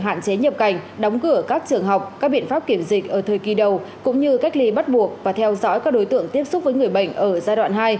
hạn chế nhập cảnh đóng cửa các trường học các biện pháp kiểm dịch ở thời kỳ đầu cũng như cách ly bắt buộc và theo dõi các đối tượng tiếp xúc với người bệnh ở giai đoạn hai